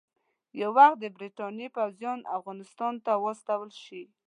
یو وخت د برټانیې پوځیان افغانستان ته واستول شي.